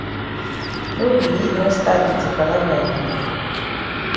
No be yi don stat wit yi palava again.